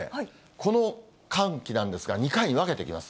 この寒気なんですが、２回に分けて来ます。